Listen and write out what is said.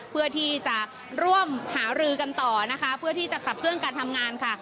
เพื่อที่จะร่วมหารือกันต่อนะคะเพื่อที่จะขับเคลื่อนการทำงานค่ะ